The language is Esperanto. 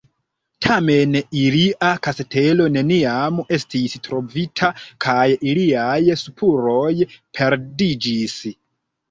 Tamen ilia kastelo neniam estis trovita kaj iliaj spuroj perdiĝis.